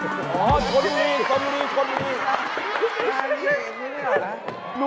อ๋อทนมีค่ะอ่างศิราอีกนิดหนึ่งหน่อยนะ